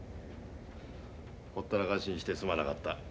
ほったらかしにしてすまなかった。